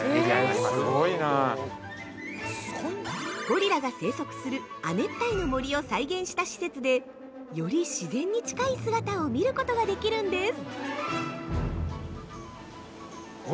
◆ゴリラが生息する亜熱帯の森を再現した施設でより自然に近い姿を見ることができるんです。